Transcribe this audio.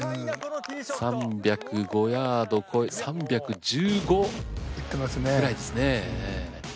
３０５ヤード超えて３１５ぐらいですね。